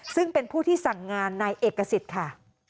ซึ่งเป็นผู้ที่สั่งงานนายเอกสิทธิ์ค่ะ